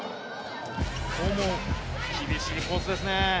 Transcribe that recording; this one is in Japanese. ここも厳しいコースですね。